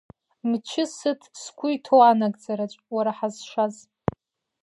Мчы сыҭ сгәы иҭоу анагӡараҿ, уара, ҳазшаз.